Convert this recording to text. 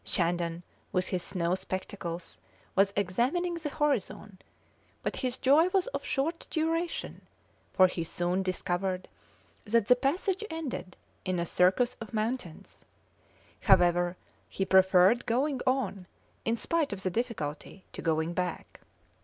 Shandon, with his snow spectacles, was examining the horizon, but his joy was of short duration, for he soon discovered that the passage ended in a circus of mountains. However, he preferred going on, in spite of the difficulty, to going back.